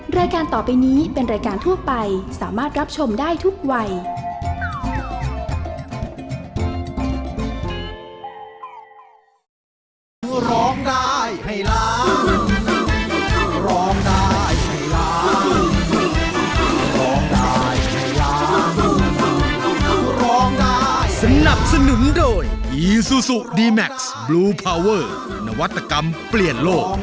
รายการต่อไปนี้เป็นรายการทั่วไปสามารถรับชมได้ทุกวัย